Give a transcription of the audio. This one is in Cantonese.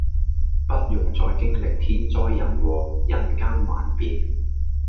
不用再經歷天災人禍，人間幻變